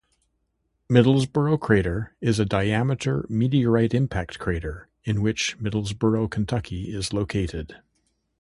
Middlesboro crater is a diameter meteorite impact crater in which Middlesboro, Kentucky, is located.